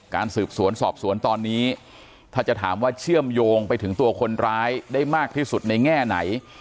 สืบสวนสอบสวนตอนนี้ถ้าจะถามว่าเชื่อมโยงไปถึงตัวคนร้ายได้มากที่สุดในแง่ไหน